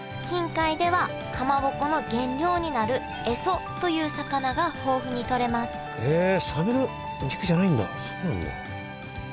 近海ではかまぼこの原料になるエソという魚が豊富にとれますへえ。